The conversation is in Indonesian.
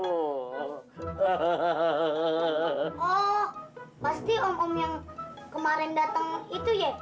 oh pasti om om yang kemarin datang itu ya